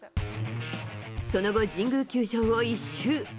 その後、神宮球場を一周。